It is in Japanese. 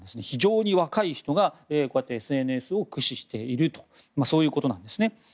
非常に若い人がこうやってＳＮＳを駆使しているとそういうことなんですね。